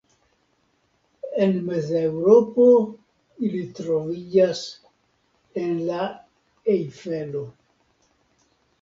En Mezeŭropo ili troviĝas en la Ejfelo.